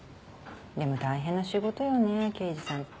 でも大変な仕事よね刑事さんって。